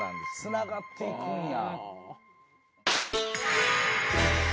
繋がっていくんや。